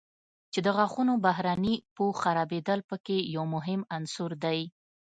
چې د غاښونو بهرني پوښ خرابېدل په کې یو مهم عنصر دی.